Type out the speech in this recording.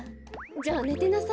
じゃあねてなさい。